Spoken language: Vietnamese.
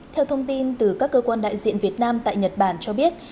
theo thông tin từ các cơ quan đại diện việt nam tại nhật bản cho biết